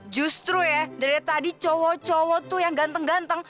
justru ya dari tadi cowok cowok tuh yang ganteng ganteng